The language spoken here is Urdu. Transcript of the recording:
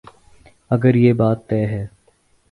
اگر یہ بات طے ہے۔